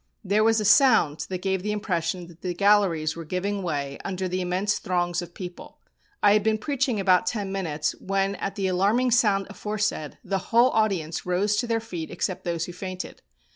There was a sound that gave the impression that the galleries were giving way under the immense throngs of people. I had been preaching about ten minutes when at the alarming sound aforesaid, the whole audience rose to their feet except those who fainted.